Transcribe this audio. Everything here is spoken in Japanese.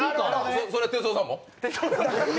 それは哲夫さんも？